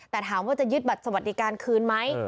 แต่ถามว่าจะยึดบัตรสวัสดิการคืนไหม